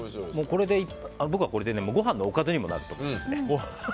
僕はこれでご飯のおかずにもなると思うんですね。